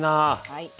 はい。